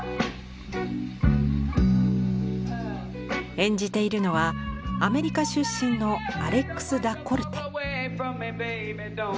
演じているのはアメリカ出身のアレックス・ダ・コルテ。